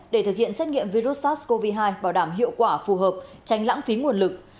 để thực hiện xét nghiệm virus sars cov hai bảo đảm hiệu quả phù hợp tránh lãng phí nguồn lực